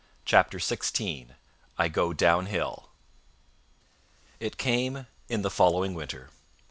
CHAPTER XVI I Go Down Hill It came in the following winter.